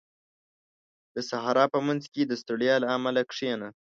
• د صحرا په منځ کې د ستړیا له امله کښېنه.